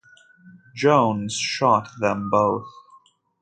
Jones shot them both.